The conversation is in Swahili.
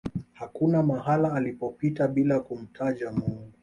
hakuna mahala alipopita bila kumtaja mungu